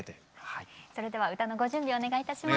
それでは歌のご準備をお願いいたします。